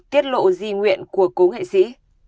tiết lộ di nguyện của cố nghệ sĩ